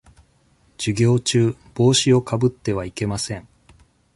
授業中、帽子をかぶってはいけません。